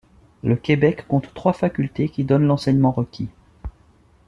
Le Québec compte trois facultés qui donnent l’enseignement requis.